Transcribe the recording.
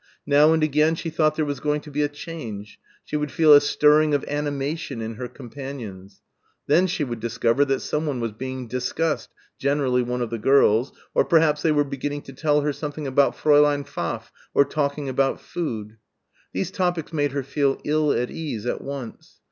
Now and again she thought there was going to be a change. She would feel a stirring of animation in her companions. Then she would discover that someone was being discussed, generally one of the girls; or perhaps they were beginning to tell her something about Fräulein Pfaff, or talking about food. These topics made her feel ill at ease at once.